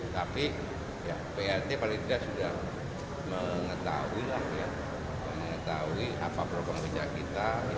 saya berkomitmen tapi plt paling tidak sudah mengetahui apa perubahan pejabat kita